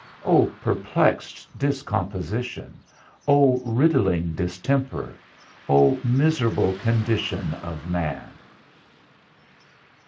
O perplexed discomposition, O riddling distemper, O miserable condition of man!